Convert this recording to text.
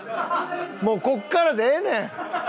もうここからでええねん！